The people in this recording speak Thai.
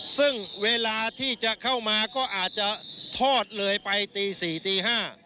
ซึ่งเวลาที่จะเข้ามาก็อาจจะทอดเลยไปตี๔ตี๕